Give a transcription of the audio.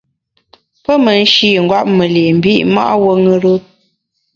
Pe me nshî ngwet me li’ mbi’ ma’ wuo ṅùrùt.